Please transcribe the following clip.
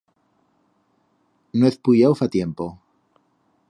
No hez puyau fa tiempo.